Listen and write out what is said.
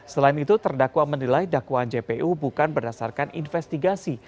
selain itu terdakwa menilai dakwaan jpu bukan berdasarkan investigasi